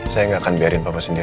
saya gak akan biarin bapak sedih